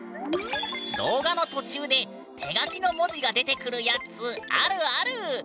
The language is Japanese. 動画の途中で手書きの文字が出てくるやつあるある！